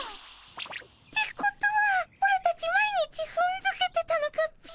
ってことはオラたち毎日ふんづけてたのかっピ？